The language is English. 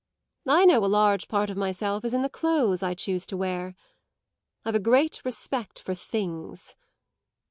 I know a large part of myself is in the clothes I choose to wear. I've a great respect for things!